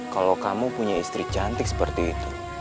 kalau kamu punya istri cantik seperti itu